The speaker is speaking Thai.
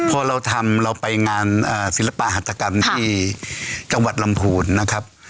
พอเราทำเราไปงานศิลปะหัตกรรมที่จังหวัดลำพูนนะครับ